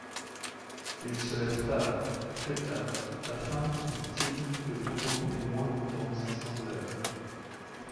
Il se lève tard, très tard, afin, dit-il, de contempler moins longtemps ses semblables…